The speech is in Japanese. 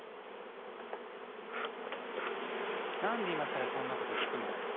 何で今さらそんなこと聞くの？